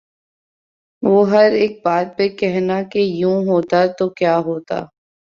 وہ ہر ایک بات پہ کہنا کہ یوں ہوتا تو کیا ہوتا